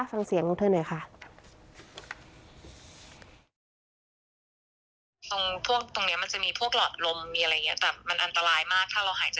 ฟังเสียงของเธอหน่อยค่ะ